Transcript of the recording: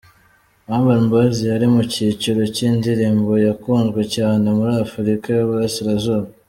Urban Boyz yari mu cyiciro cy’indirimbo yakunzwe cyane muri Afurika y’Uburasirazuba.